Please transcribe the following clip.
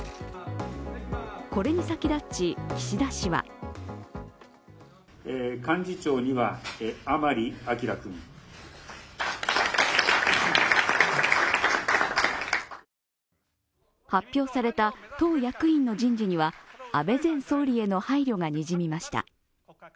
これに先立ち、岸田氏は発表された党役員の人事には安倍前総理への配慮がにじみました。